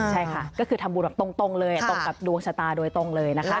ใช่ค่ะก็คือทำบุญแบบตรงเลยตรงกับดวงชะตาโดยตรงเลยนะคะ